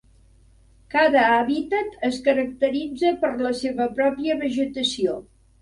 Cada hàbitat es caracteritza per la seva pròpia vegetació.